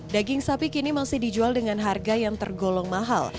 daging sapi kini masih dijual dengan harga yang tergolong mahal